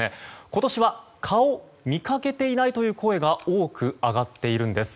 今年は蚊を見かけていないという声が多く上がっているんです。